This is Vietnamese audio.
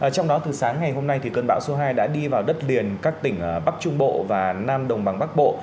trong đó từ sáng ngày hôm nay cơn bão số hai đã đi vào đất liền các tỉnh bắc trung bộ và nam đồng bằng bắc bộ